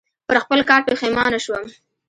پر خپل کار پښېمانه شوم .